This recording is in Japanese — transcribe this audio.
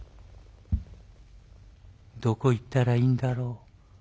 「どこ行ったらいいんだろう。